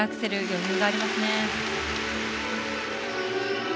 余裕がありますね。